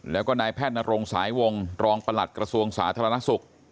แล้วก็นายแพทย์นรงสายวงรองประหลัดกระทรวงสาธารณสุข